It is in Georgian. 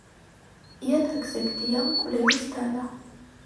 იატაკზე გდია მკვლელის დანა.